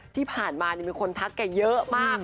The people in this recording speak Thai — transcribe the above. ที่ผ่านมามีคนทักแกเยอะมาก